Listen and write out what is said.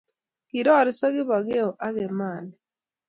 Kiroriso Kipokeo ak Emali